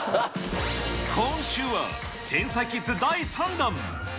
今週は天才キッズ第３弾。